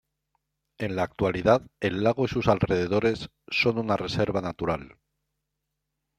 En la actualidad el lago y sus alrededores, son una reserva natural.